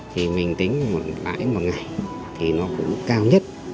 thì mình tính một lãi một ngày thì nó cũng cao nhất